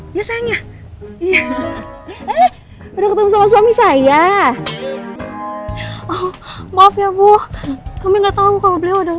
biasanya iya udah ketemu sama suami saya oh maaf ya bu kami enggak tahu kalau beliau udah